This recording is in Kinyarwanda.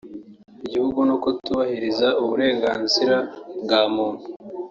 igitugu no kutubahiriza uburenganzira bwa Muntu